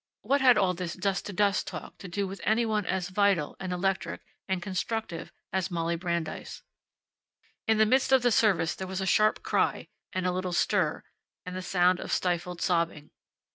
What had all this dust to dust talk to do with any one as vital, and electric, and constructive as Molly Brandeis. In the midst of the service there was a sharp cry, and a little stir, and the sound of stifled sobbing.